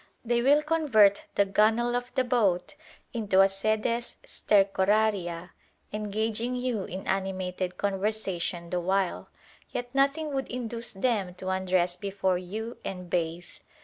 They will convert the gunwale of the boat into a sedes stercoraria, engaging you in "animated conversation" the while; yet nothing would induce them to undress before you and bathe.